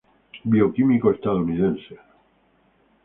Bioquímico estadounidense.